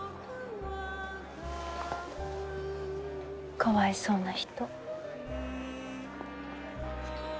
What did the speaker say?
かわいそうな人。